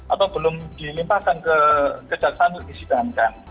atau belum dilimpahkan ke kejaksaan untuk disidangkan